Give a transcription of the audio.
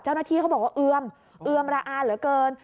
เจ้าหน้าที่เขาบอกว่าเอือมเอือมระอาเหลือเกิน